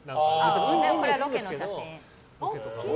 これはロケの写真。